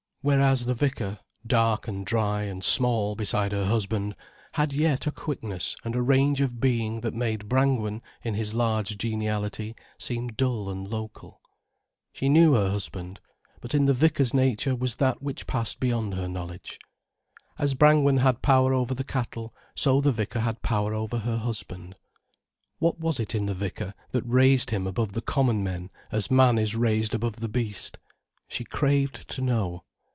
Whereas the vicar, dark and dry and small beside her husband, had yet a quickness and a range of being that made Brangwen, in his large geniality, seem dull and local. She knew her husband. But in the vicar's nature was that which passed beyond her knowledge. As Brangwen had power over the cattle so the vicar had power over her husband. What was it in the vicar, that raised him above the common men as man is raised above the beast? She craved to know.